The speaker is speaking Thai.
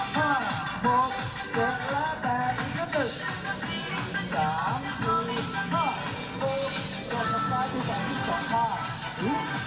สามสี่ห้าหกเกิดละแปดสองครับ